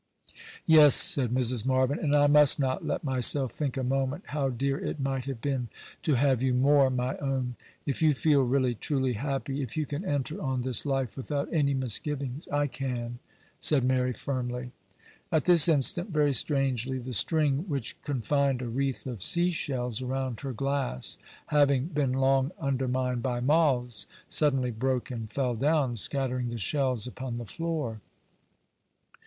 'Yes,' said Mrs. Marvyn; 'and I must not let myself think a moment how dear it might have been to have you more my own. If you feel really, truly happy, if you can enter on this life without any misgivings—' 'I can,' said Mary, firmly. At this instant, very strangely, the string which confined a wreath of sea shells around her glass, having been long undermined by moths, suddenly broke and fell down, scattering the shells upon the floor.